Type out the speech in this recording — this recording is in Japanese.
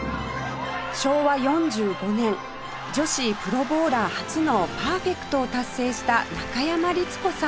昭和４５年女子プロボウラー初のパーフェクトを達成した中山律子さん